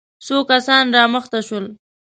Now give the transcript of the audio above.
څو کسان را مخته شول.